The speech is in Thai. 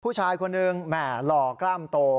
ผู้ชายคนหนึ่งแหม่หล่อกล้ามโต